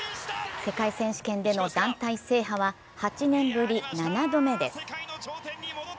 世界選手権での団体制覇は８年ぶり７度目です。